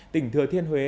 tỉnh thừa thiên huế